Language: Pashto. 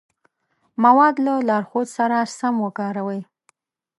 مواد له لارښود سره سم وکاروئ.